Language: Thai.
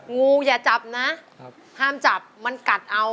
งูอย่าจับนะห้ามจับมันกัดเอา